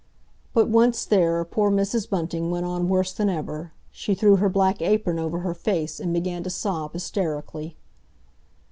But, once there, poor Mrs. Bunting went on worse than ever; she threw her black apron over her face, and began to sob hysterically.